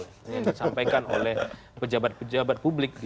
yang disampaikan oleh pejabat pejabat publik